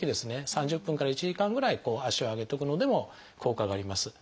３０分から１時間ぐらい足を上げておくのでも効果があります。